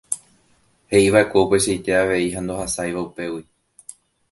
he'iva'ekue upeichaite avei ha ndohasáiva upégui.